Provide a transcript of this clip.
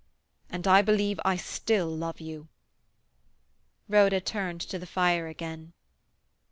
And I believe I still love you." Rhoda turned to the fire again.